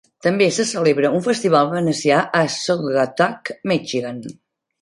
També se celebra un festival venecià a Saugatuck, Michigan.